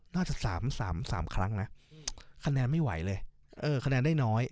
น่าจะ๓ครั้งนะคะแนนไม่ไหวเลยเออคะแนนได้น้อย